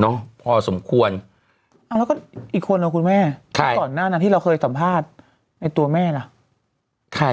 เนาะพอสมควรอ้าวแล้วก็อีกคนแล้วคุณแม่ใครก่อนหน้าที่เราเคยสัมภาษณ์ในตัวแม่ล่ะใคร